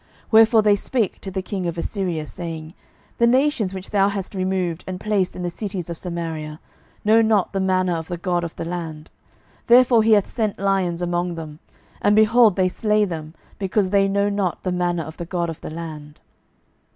12:017:026 Wherefore they spake to the king of Assyria, saying, The nations which thou hast removed, and placed in the cities of Samaria, know not the manner of the God of the land: therefore he hath sent lions among them, and, behold, they slay them, because they know not the manner of the God of the land.